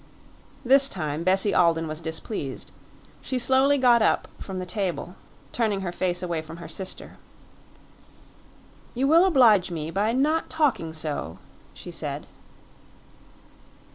This time Bessie Alden was displeased; she slowly got up from the table, turning her face away from her sister. "You will oblige me by not talking so," she said.